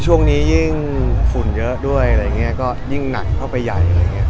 ช่วงนี้ยิ่งฝุ่นเยอะด้วยอะไรอย่างนี้ยังหนักเข้าไปใหญ่